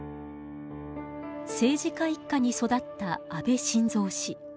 政治家一家に育った安倍晋三氏。